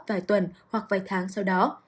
vài tuần hoặc vài tháng sau đó